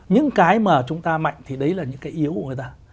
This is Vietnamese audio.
những cái mà chúng ta mạnh thì đấy là những cái yếu của người ta